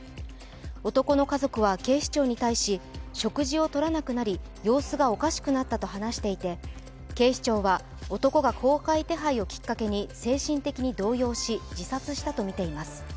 男の家族は警視庁に対し、食事をとらなくなり、様子がおかしくなったと話していて警視庁は男が公開手配をきっかけにう精神的に動揺し自殺したとみています。